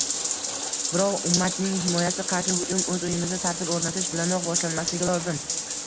Biroq ummatning himoyasi, qarshi hujum o‘z uyimizda tartib o‘rnatish bilanoq boshlanmasligi lozim